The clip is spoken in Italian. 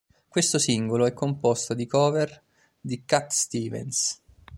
Questo singolo è composto di cover di Cat Stevens.